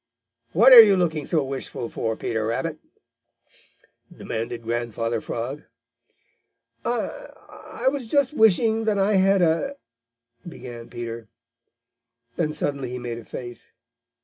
What are you looking so wistful for, Peter Rabbit?" demanded Grandfather Frog. "I I was just wishing that I had a " began Peter. Then suddenly he made a face.